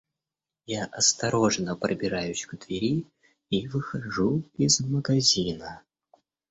Я осторожно пробираюсь к двери и выхожу из магазина.